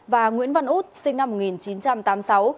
và nguyễn văn út sinh năm một nghìn chín trăm tám mươi sáu